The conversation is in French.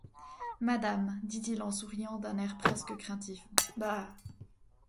Madame, dit-il en souriant d'un air presque craintif, bah!